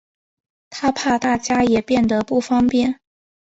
她怕大家也变得不方便